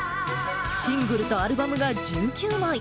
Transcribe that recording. シングルとアルバムが１９枚。